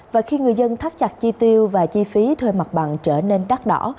và khi người dân thắt chặt chi tiêu và chi phí thuê mặt bằng trở nên đắt đỏ